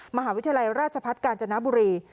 มหาวิทยาลัยราชพัฒน์กาญจนบุรี